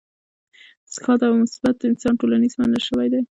ښاد او مثبت انسان ټولنیز منل شوی دی.